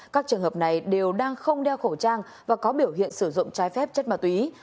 các trường hợp này đều đang không đeo khẩu trang và có biểu hiện sử dụng trái phép chất ma túy